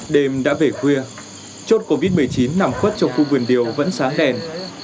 đêm đã về khuya chốt covid một mươi chín nằm khuất trong khu vườn điều vẫn sáng đèn